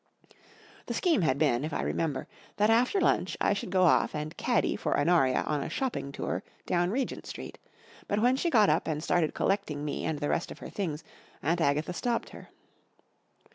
The scheme had been, if 1 remember, that niter lunch 1 should go off and caddy for Honoria on a shopping tour down Regent Street : but when she got up and started collecting me and the rest of her things, Aunt Agatha stopped her.